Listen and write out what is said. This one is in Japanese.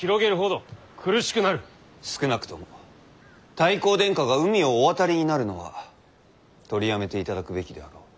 少なくとも太閤殿下が海をお渡りになるのは取りやめていただくべきであろう。